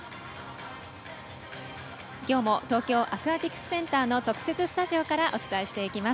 きょうも東京アクアティクスセンターの特設スタジオからお伝えします。